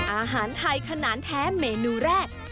อาหารไทยขนาดแท้เมนูแรก